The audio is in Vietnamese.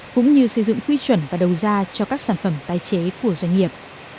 cũng như xây dựng quy chuẩn và đầu ra cho các sản phẩm tái chế của doanh nghiệp